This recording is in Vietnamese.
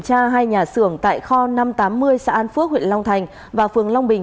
tại xưởng tại kho năm trăm tám mươi xã an phước huyện long thành và phường long bình